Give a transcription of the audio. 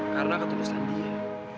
karena ketulusan dia